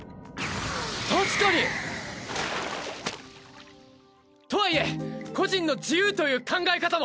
確かに！とはいえ個人の自由という考え方も！